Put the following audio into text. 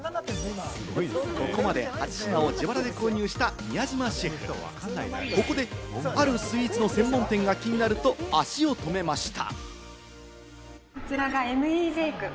ここまで８品を自腹で購入した宮島シェフ、ここで、あるスイーツの専門店が気になると、足を止めました。